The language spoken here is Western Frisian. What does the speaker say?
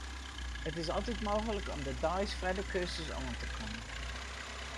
It is altyd mooglik om de deis foar de kursus oan te kommen.